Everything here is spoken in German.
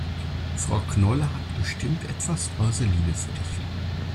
Frau Knolle hat bestimmt etwas Vaseline für dich.